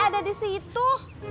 ada di situ